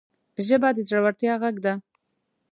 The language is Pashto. ژبه د زړورتیا غږ ده